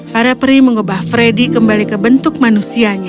para peri mengubah freddy kembali ke bentuk manusianya